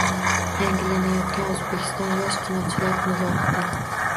Yangilanayotgan O‘zbekiston yosh kinochilar nigohida